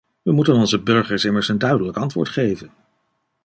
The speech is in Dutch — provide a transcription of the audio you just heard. We moeten onze burgers immers een duidelijk antwoord geven.